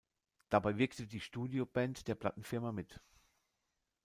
Dabei wirkte die Studioband der Plattenfirma mit.